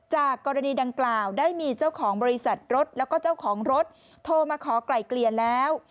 จากกรณีดังกล่าวได้มีเจ้าของบริษัทรถแล้วก็เจ้าของรถโทรมาขอไกลเกลี่ยแล้ว